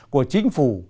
của chính phủ